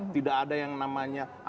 tidak ada yang namanya